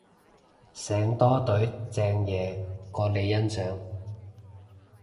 醒多隊正嘢過你欣賞